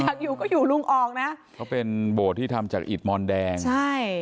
อยู่ก็อยู่ลุงออกนะเขาเป็นโบสถ์ที่ทำจากอิตมอนแดงใช่